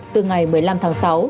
từ ngày một mươi năm tháng sáu